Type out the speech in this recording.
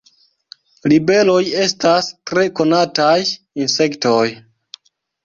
Libeloj estas tre konataj insektoj.